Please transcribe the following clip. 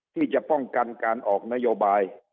ที่จะป้องกันการออกนโยบาย